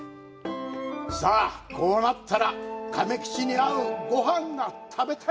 さあ、こうなったら亀吉に合うごはんが食べたい！